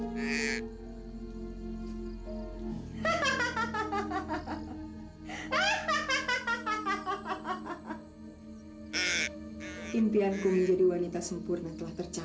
bung akan kembali kembali ke tangan saya